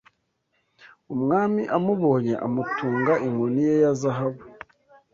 Umwami amubonye amutunga inkoni ye ya zahabu